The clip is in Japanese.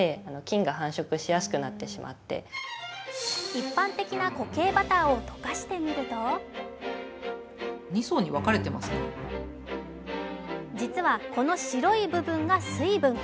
一般的な固形バターを溶かしてみると実は、この白い部分が水分。